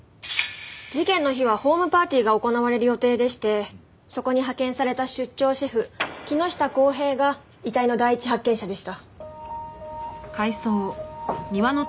事件の日はホームパーティーが行われる予定でしてそこに派遣された出張シェフ木下公平が遺体の第一発見者でした。